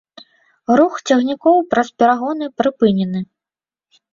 Рух цягнікоў праз перагоны прыпынены.